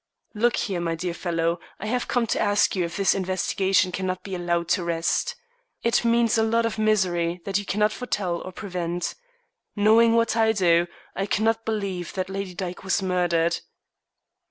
"Look here, my dear fellow, I have come to ask you if this investigation cannot be allowed to rest. It means a lot of misery that you cannot foretell or prevent. Knowing what I do, I cannot believe that Lady Dyke was murdered."